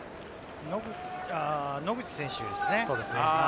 野口選手ですね。